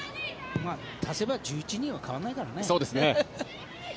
足せば１１人は変わらないからね。